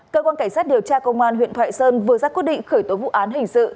cơ quan cảnh sát điều tra công an huyện thoại sơn vừa ra quyết định khởi tố vụ án hình sự